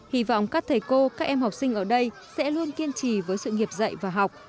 hy vọng các thầy cô các em học sinh ở đây sẽ luôn kiên trì với sự nghiệp dạy và học